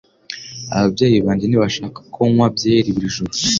Ababyeyi banjye ntibashaka ko nywa byeri buri joro